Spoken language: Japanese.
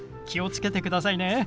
気を付けてくださいね。